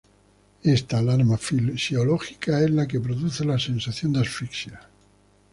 Esta alarma fisiológica es la que produce la sensación de asfixia.